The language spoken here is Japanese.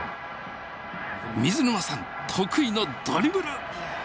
水沼さん得意のドリブル！